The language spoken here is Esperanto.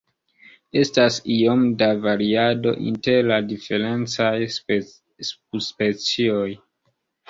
Estas iom da variado inter la diferencaj subspecioj.